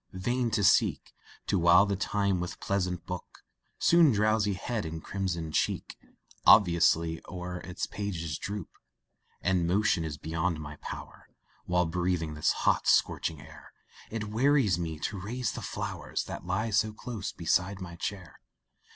vain to seek To while the time with pleasant book, Soon drowsy head and crimsoned cheek Oblivious o'er its pages droop And motion is beyond my power, While breathing this hot, scorching air, It wearies me to raise the flowers, That lie so close beside my chair.